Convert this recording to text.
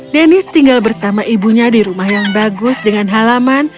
deniz tinggal bersama ibunya di rumah yang bagus dengan halaman